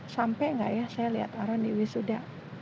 sampai nggak ya saya lihat orang di wisuda